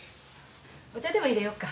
お茶でも入れよっか。